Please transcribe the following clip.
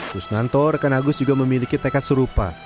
kusnanto rekan agus juga memiliki tekad serupa